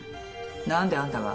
何であんたが？